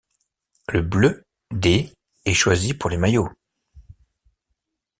Le bleu des est choisi pour les maillots.